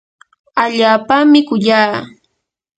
allaapami kuyaa.